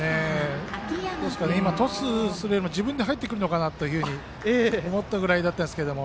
ですから今、トスするよりも自分で入ってくるのかなと思ったくらいだったんですけど。